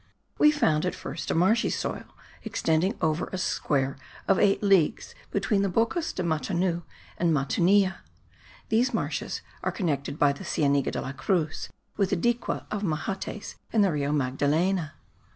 We found at first a marshy soil extending over a square of eight leagues between the Bocas de Matuna and Matunilla. These marshes are connected by the Cienega de la Cruz, with the Dique of Mahates and the Rio Magdalena.